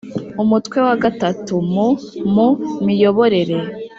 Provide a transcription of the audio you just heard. umutwe wa gatatu mu mu miyoborere